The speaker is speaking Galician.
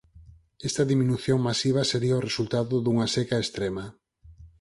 Esta diminución masiva sería o resultado dunha seca extrema.